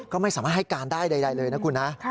ก็ไม่สามารถให้การได้ใดเลยนะคุณนะ